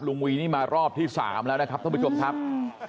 ลุงวีนี่มารอบที่๓แล้วนะครับถ้าไม่จบทัพ